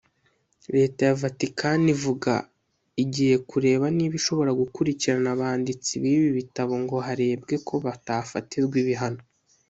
Leta yaVatican ivuga igiye kureba niba ishobora gukurikirana abanditsi b’ibi bitabo ngo harebwe ko batafatirwa ibihano